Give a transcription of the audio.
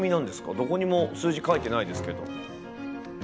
どこにも数字書いてないですけど。